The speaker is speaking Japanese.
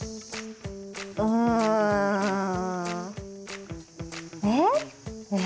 うん。えっ？え。